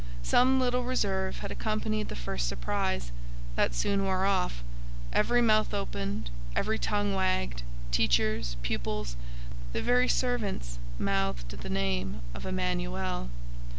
Some little reserve had accompanied the first surprise: that soon wore off; every mouth opened; every tongue wagged; teachers, pupils, the very servants, mouthed the name of "Emanuel."